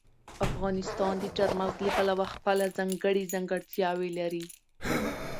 افغانستان د چار مغز له پلوه خپله ځانګړې ځانګړتیاوې لري.